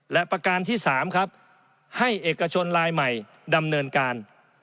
และประการที่๓ครับให้เอกชนลายใหม่ดำเนินการ